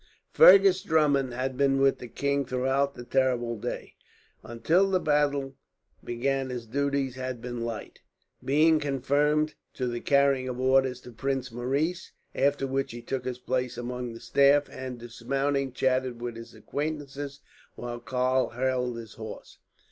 Fergus Drummond had been with the king throughout that terrible day. Until the battle began his duties had been light, being confined to the carrying of orders to Prince Maurice; after which he took his place among the staff and, dismounting, chatted with his acquaintances while Karl held his horse.